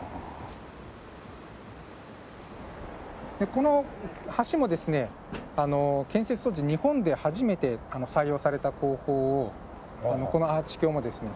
この橋もですね建設当時日本で初めて採用された工法をこのアーチ橋もですね